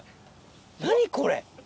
何これ！